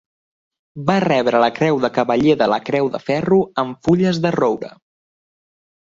Va rebre la Creu de Cavaller de la Creu de Ferro amb Fulles de Roure.